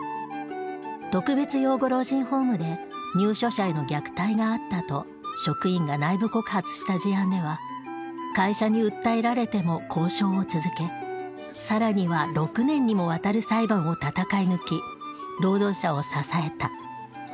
特別養護老人ホームで入所者への虐待があったと職員が内部告発した事案では会社に訴えられても交渉を続けさらには６年にもわたる裁判を闘い抜き労働者を支えた。